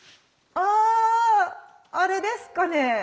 ああれですかね？